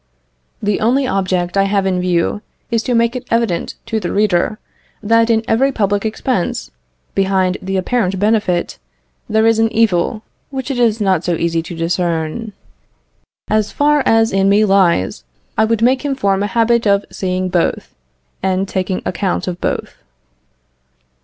" The only object I have in view is to make it evident to the reader, that in every public expense, behind the apparent benefit, there is an evil which it is not so easy to discern. As far as in me lies, I would make him form a habit of seeing both, and taking account of both.